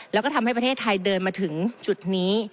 แล้วก็ทำให้ประเทศไทยเดินมาถึงจุดนี้